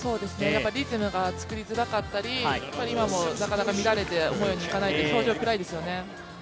リズムが作りづらかったり、今も思うようにいかないと表情が暗いですよね。